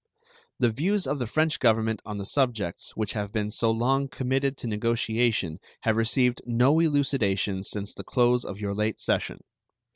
The views of the French Government on the subjects which have been so long committed to negotiation have received no elucidation since the close of your late session.